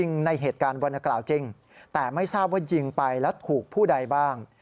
ในเหตุการณ์วรรณกล่าวจริงแต่ไม่ทราบว่ายิงไปแล้วถูกผู้ใดบ้าง